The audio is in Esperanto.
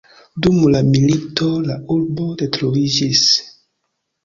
Dum la milito la urbo detruiĝis.